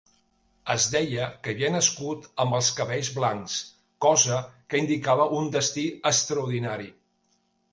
Es deia que havia nascut amb els cabells blancs, cosa que indicava un destí extraordinari.